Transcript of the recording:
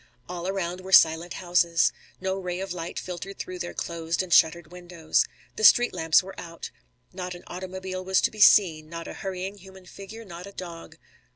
All around were silent houses. No ray of light filtered through their closed and shuttered windows. The street lamps were out. Not an automobile was to be seen, not a hurrying human figure, not a dog.